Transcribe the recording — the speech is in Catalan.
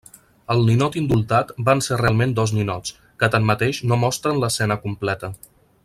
El ninot indultat van ser realment dos ninots, que tanmateix no mostren l'escena completa.